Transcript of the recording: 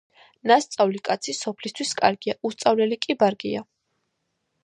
ნასწავლი კაცი სოფლისთვის კარგია, უსწავლელი კი ბარგია.